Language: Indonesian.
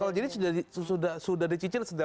kalau jadi sudah dicicil